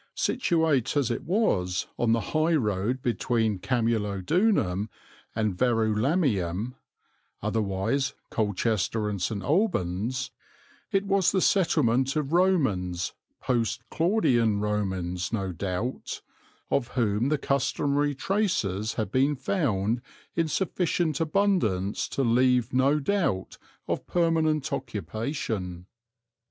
Situate as it was on the high road between Camulodunum and Verulamium, otherwise Colchester and St. Albans, it was the settlement of Romans, post Claudian Romans no doubt, of whom the customary traces have been found in sufficient abundance to leave no doubt of permanent occupation.